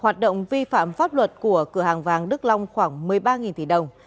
hoạt động vi phạm pháp luật của cửa hàng vàng đức long khoảng một mươi ba tỷ đồng